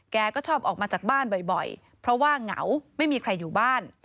แกก็ชอบออกมาจากบ้านบ่อยเพราะว่าเหงาไม่มีใครอยู่บ้าน